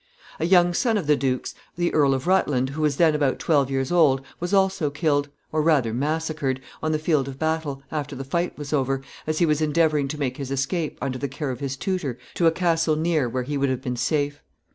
] A young son of the duke's, the Earl of Rutland, who was then about twelve years old, was also killed, or rather massacred, on the field of battle, after the fight was over, as he was endeavoring to make his escape, under the care of his tutor, to a castle near, where he would have been safe.